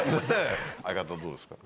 相方どうですか？